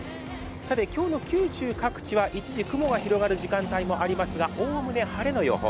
今日の九州各地は一時、雲が広がる時間帯がありますが、おおむね晴れの予報。